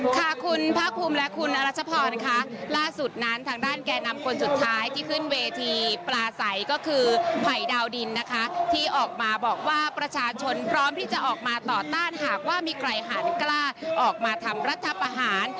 ค่ะคุณภาคภูมิและคุณอรัชพรค่ะล่าสุดนั้นทางด้านแก่นำคนสุดท้ายที่ขึ้นเวทีปลาใสก็คือภัยดาวดินนะคะที่ออกมาบอกว่าประชาชนพร้อมที่จะออกมาต่อต้านหากว่ามีใครหาดกล้าออกมาทำรัฐประหาร